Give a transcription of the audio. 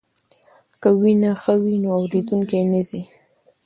که وینا ښه وي نو اوریدونکی نه ځي.